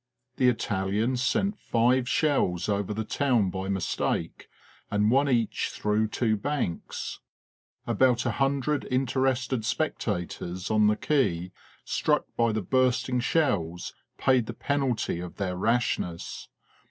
The Italians sent five shells over the town by mistake, and one each through two banks. About a hundred interested spectators on the quay, struck by the bursting shells, paid the penalty of their rashness.